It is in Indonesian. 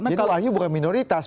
jadi wahyu bukan minoritas